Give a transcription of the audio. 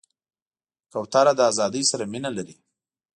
کوتره له آزادۍ سره مینه لري.